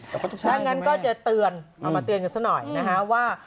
แล้วงั้นก็จะเตือนเอามาเตือนกันสักหน่อยนะฮะว่า